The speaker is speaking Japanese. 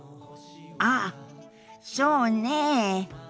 ああそうねえ。